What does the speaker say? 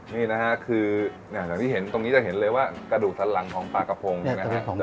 นี่นะฮะคืออย่างที่เห็นตรงนี้จะเห็นเลยว่ากระดูกสันหลังของปลากระพงนะฮะ